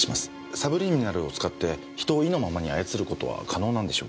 サブリミナルを使って人を意のままに操ることは可能なんでしょうか？